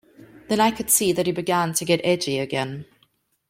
Then I could see that he began to get edgy again.